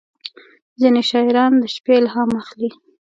• ځینې شاعران د شپې الهام اخلي.